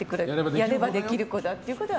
やればできる子だってことは。